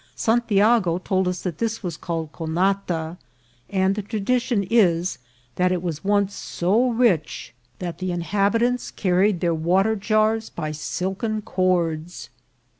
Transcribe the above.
San tiago told us that this was called Conata, and the tradi tion is, that it was once so rich that the inhabitants car 246 INCIDENTS OF TRAVEL. ried their water jars by silken cords.